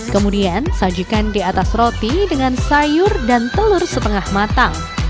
kemudian sajikan di atas roti dengan sayur dan telur setengah matang